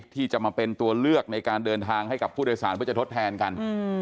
ที่จะมาเป็นตัวเลือกในการเดินทางให้กับผู้โดยสารเพื่อจะทดแทนกัน